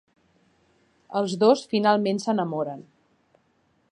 Els dos finalment s'enamoren.